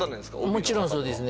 もちろんそうですね